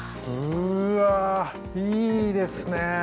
うわあいいですね。